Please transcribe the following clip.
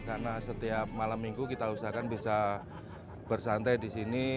karena setiap malam minggu kita usahakan bisa bersantai di sini